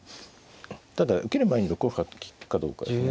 ただ受ける前に６五歩が利くかどうかですね。